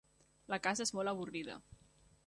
La casa és molt avorrida.